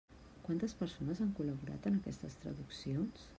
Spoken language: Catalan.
Quantes persones han col·laborat en aquestes traduccions?